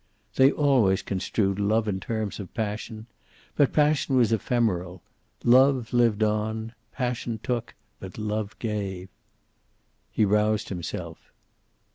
They always construed love in terms of passion. But passion was ephemeral. Love lived on. Passion took, but love gave. He roused himself.